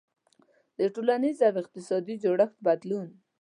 • د ټولنیز او اقتصادي جوړښت بدلون.